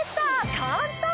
簡単！